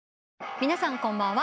皆さんこんばんは。